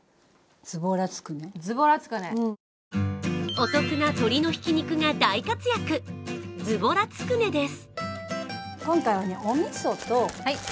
お得な鶏のひき肉が大活躍、ズボラつくねです。